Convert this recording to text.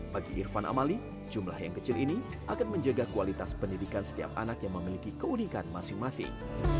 bagi irfan amali jumlah yang kecil ini akan menjaga kualitas pendidikan setiap anak yang memiliki keunikan masing masing